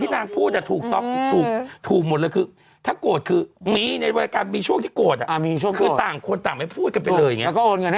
ถูกต้องวิวโควด่าเลย